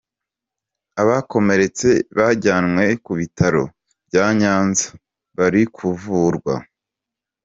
Abakomeretse bajyanwe ku bitaro bya Nyanza, bari kuvurwa.